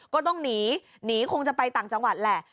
ก็ต้องหนีหนีคงจะไปต่างจังหวัดแหละ